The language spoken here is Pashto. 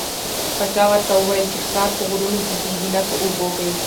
پاچا ورته وویل چې ښکار په غرونو کې کېږي نه په اوبو کې.